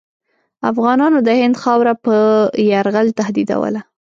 افغانانو د هند خاوره په یرغل تهدیدوله.